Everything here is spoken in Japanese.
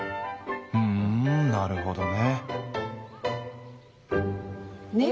ふんなるほどね。